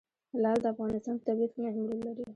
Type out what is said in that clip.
لعل د افغانستان په طبیعت کې مهم رول لري.